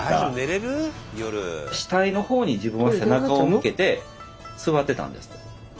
死体の方に自分は背中を向けて座ってたんですって。